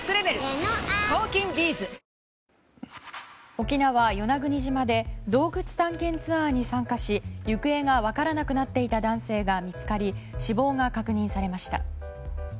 沖縄・与那国島で洞窟探検ツアーに参加し行方が分からなくなっていた男性が見つかり死亡が確認されました。